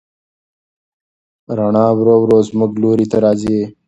رڼا ورو ورو زموږ لوري ته راځي.